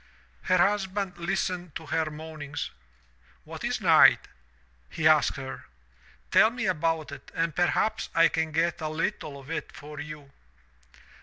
"Her husband listened to her moanings. 'What is night?' he asked her. Tell me about it and perhaps I can get a little of it for you.'